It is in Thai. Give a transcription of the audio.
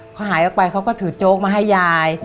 เขาหายออกไปเขาก็ถือโจ๊กมาให้ยาย